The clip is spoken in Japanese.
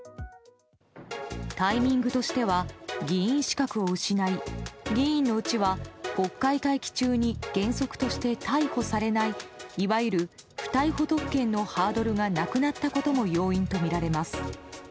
タイミングとしては議員資格を失い議員のうちは国会会期中に原則として逮捕されないいわゆる不逮捕特権のハードルがなくなったことも要因とみられます。